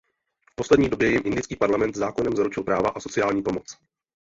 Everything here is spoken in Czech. V poslední době jim indický parlament zákonem zaručil práva a sociální pomoc.